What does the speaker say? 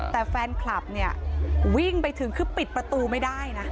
แต่แฟนคลับเนี่ยวิ่งไปถึงคือปิดประตูไม่ได้นะ